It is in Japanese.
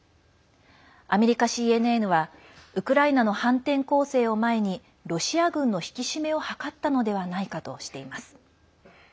アメリカＣＮＮはウクライナの反転攻勢を前にロシア軍の引き締めを図ったのではないかとしています。